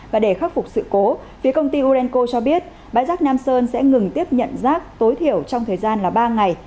và để khắc phục sự cố phía công ty urenco cho biết bãi rác nam sơn sẽ ngừng tiếp nhận rác tối thiểu trong thời gian là ba ngày